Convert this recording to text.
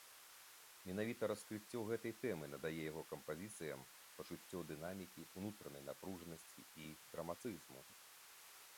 Менавіта раскрыццё гэтай тэмы надае яго кампазіцыям пачуццё дынамікі, унутранай напружанасці і драматызму.